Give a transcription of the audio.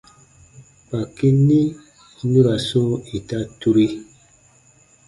Kpaki ni nu ra sɔ̃ɔ ita turi.